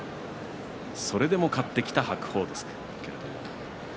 それでも勝ってきた白鵬です。